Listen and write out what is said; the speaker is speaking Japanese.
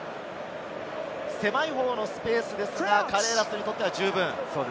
狭い方のスペースですが、カレーラスにとっては十分。